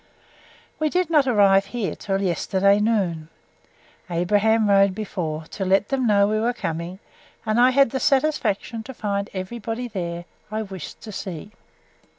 We did not arrive here till yesterday noon. Abraham rode before, to let them know we were coming: and I had the satisfaction to find every body there I wished to see.